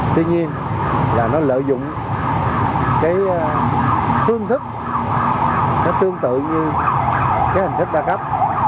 tuy nhiên là nó lợi dụng cái phương thức nó tương tự như cái hình thức đa cấp